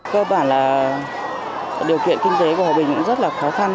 cơ bản là điều kiện kinh tế của hòa bình cũng rất là khó khăn